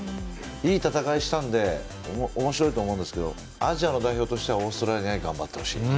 いい戦いしたのでおもしろいと思うんですけどアジアの代表としてはオーストラリアに頑張ってほしいなと。